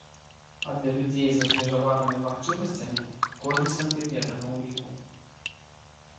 А для людзей з абмежаванымі магчымасцямі кожны сантыметр на уліку.